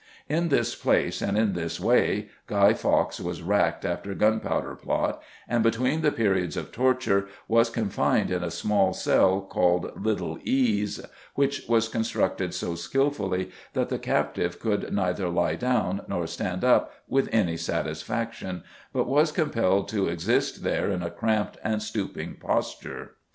In this place, and in this way, Guy Fawkes was racked after Gunpowder Plot, and, between the periods of torture, was confined in a small cell called Little Ease, which was constructed so skilfully that the captive could neither lie down nor stand up with any satisfaction, but was compelled to exist there in a cramped and stooping posture.